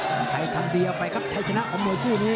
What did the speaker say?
ชังใช่ทั้งกีทรียอไปครับชายชนะของมวยผู้นี้